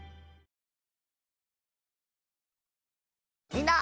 みんな。